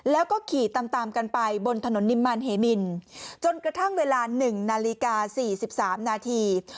แล้วก็ขี่ตามตามกันไปบนถนนนิมมันเหมินจนกระทั่งเวลา๑นาฬิกา๔๓นาที